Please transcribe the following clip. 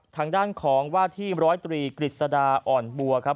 ทางด้านของว่าที่๑๐๓กฤษฎาอ่อนบัวครับ